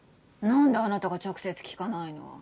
なんであなたが直接聞かないの？